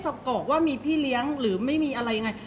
เพราะว่าสิ่งเหล่านี้มันเป็นสิ่งที่ไม่มีพยาน